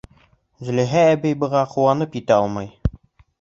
Зөләйха әбей быға ҡыуанып бөтә алмай.